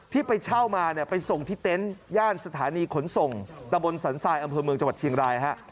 ไปเช่ามาเนี่ยไปส่งที่เต็นต์ย่านสถานีขนส่งตะบนสันทรายอำเภอเมืองจังหวัดเชียงรายฮะ